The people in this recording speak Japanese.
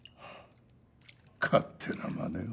勝手なまねを。